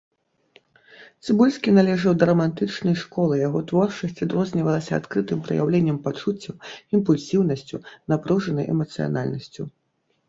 Цыбульскі належаў да рамантычнай школы, яго творчасць адрознівалася адкрытым праяўленнем пачуццяў, імпульсіўнасцю, напружанай эмацыянальнасцю.